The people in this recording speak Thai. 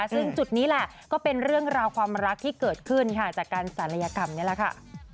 ซึ่งจุดนี้แหละก็เป็นเรื่องราวความรักที่เกิดขึ้นค่ะจากการศัลยกรรมนี่แหละค่ะ